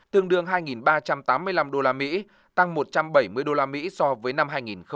tương đương hai ba trăm tám mươi năm đô la mỹ tăng một trăm bảy mươi đô la mỹ so với năm hai nghìn một mươi sáu